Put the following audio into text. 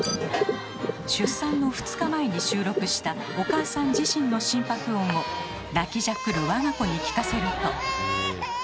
出産の２日前に収録したお母さん自身の心拍音を泣きじゃくる我が子に聞かせると。